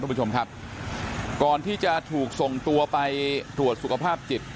คุณผู้ชมครับก่อนที่จะถูกส่งตัวไปตรวจสุขภาพจิต